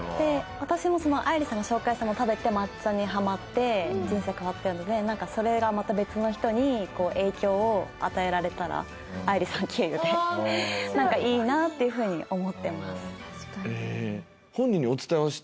私も愛理さんが紹介したのを食べて抹茶にハマって人生変わってるのでなんかそれがまた別の人に影響を与えられたら愛理さん経由でなんかいいなっていうふうに思ってます。